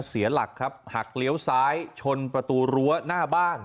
เสียหลักครับหักเลี้ยวซ้ายชนประตูรั้วหน้าบ้าน